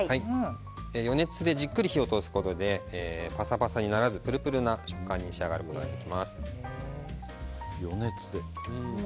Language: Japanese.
余熱でじっくり火を通すことでパサパサにならずプルプルの食感に仕上がることができます。